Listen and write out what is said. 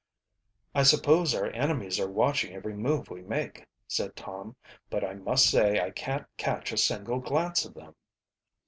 "I suppose our enemies are watching every move we make," said Tom. "But I must say I can't catch a single glance of them."